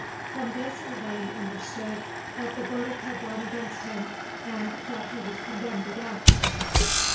From this Urbain understood that the verdict had gone against him and that he was condemned to death.